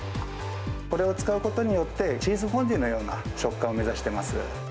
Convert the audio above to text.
これを使うことによって、チーズフォンデュのような食感を目指してます。